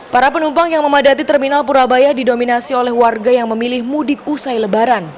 para penumpang yang memadati terminal purabaya didominasi oleh warga yang memilih mudik usai lebaran